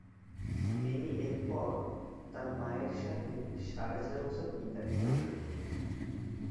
তিনি এরপর তার মায়ের সাথে সাড়ে চার বছর ইতালিতে থাকেন।